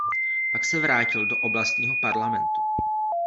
Pak se vrátil do oblastního parlamentu.